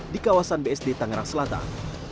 di kawasan bsd tangerang selatan